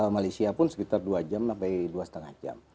malaysia pun sekitar dua jam sampai dua lima jam